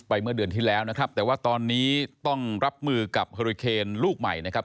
เมื่อเดือนที่แล้วนะครับแต่ว่าตอนนี้ต้องรับมือกับเฮอริเคนลูกใหม่นะครับ